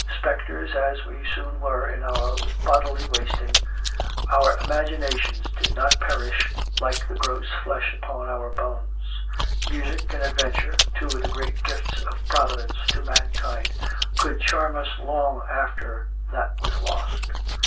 Spectres as we soon were in our bodily wasting, our imaginations did not perish like the gross flesh upon our bones. Music and Adventure, two of the great gifts of Providence to mankind, could charm us long after that was lost.